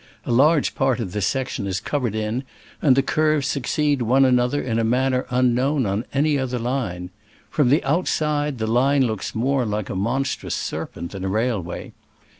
A large part of this section is covered in, and the curves succeed one another in a man ner unknown on any other line. From the outside the line looks more like a monstrous serpent than a railway.